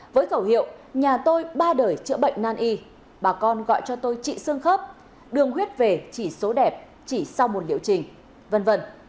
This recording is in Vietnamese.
với khẩu hiệu nhà tôi ba đời chữa bệnh nan y bà con gọi cho tôi trị xương khớp đường huyết về chỉ số đẹp chỉ sau một liệu trình v v